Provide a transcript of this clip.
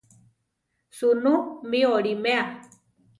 ¿Sunú mi oliméa?